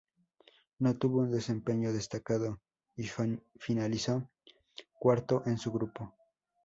No tuvo un desempeño destacado y finalizó cuarto en su grupo.